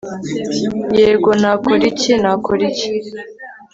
yego, nakora iki? nakora iki